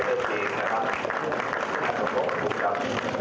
ขอบคุณผมครับ